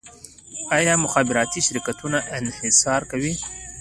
آیا مخابراتي شرکتونه انحصار کوي؟